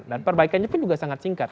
dan perbaikannya pun juga sangat singkat